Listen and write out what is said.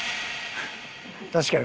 確かに。